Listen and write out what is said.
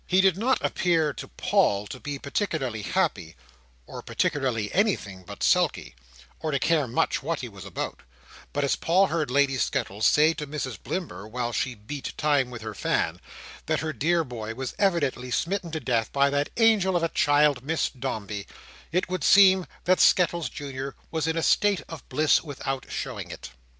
He did not appear to Paul to be particularly happy, or particularly anything but sulky, or to care much what he was about; but as Paul heard Lady Skettles say to Mrs Blimber, while she beat time with her fan, that her dear boy was evidently smitten to death by that angel of a child, Miss Dombey, it would seem that Skettles Junior was in a state of bliss, without showing it.